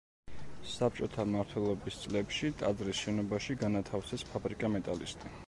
საბჭოთა მმართველობის წლებში ტაძრის შენობაში განათავსეს ფაბრიკა „მეტალისტი“.